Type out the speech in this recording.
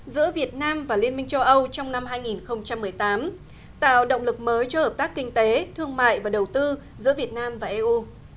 giữa việt nam và liên minh châu âu trong năm hai nghìn một mươi tám tạo động lực mới cho hợp tác kinh tế thương mại và đầu tư giữa việt nam và eu